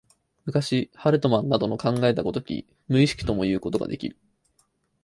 昔、ハルトマンなどの考えた如き無意識ともいうことができる。